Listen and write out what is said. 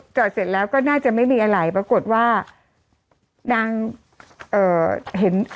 จอดเสร็จแล้วก็น่าจะไม่มีอะไรปรากฏว่านางเอ่อเห็น